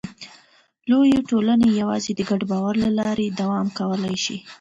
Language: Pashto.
لویې ټولنې یواځې د ګډ باور له لارې دوام کولی شي.